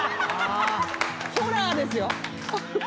ホラーですよ。